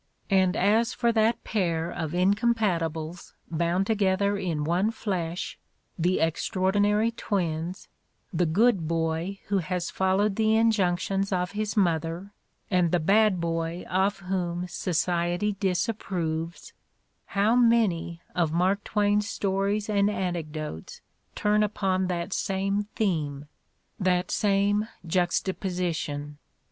And as for that pair of incompatibles bound together in one flesh — the Extraordinary Twins, the "good" boy who has followed the injunctions of his mother and the "bad" boy of whom society disapproves — how many of Mark Twain's stories and anecdotes turn upon that same theme, that same juxtaposition!